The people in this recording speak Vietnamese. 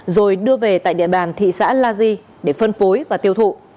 rồi đưa về tại địa bàn thị xã la di để phân phối và tiêu thụ